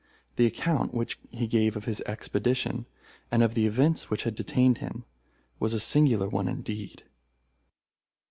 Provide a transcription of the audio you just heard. The account which he gave of his expedition, and of the events which had detained him, was a singular one indeed.